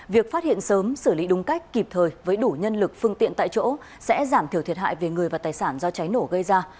việc phát hiện sớm xử lý đúng cách kịp thời với đủ nhân lực phương tiện tại chỗ sẽ giảm thiểu thiệt hại về người và tài sản do cháy nổ gây ra